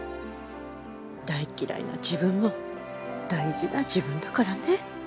大嫌いな自分も大事な自分だからね。